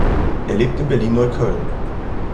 Er lebt in Berlin-Neukölln.